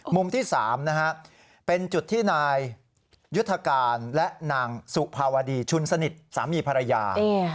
มุมที่๓นะฮะเป็นจุดที่นายยุทธการและนางสุภาวดีชุนสนิทสามีภรรยา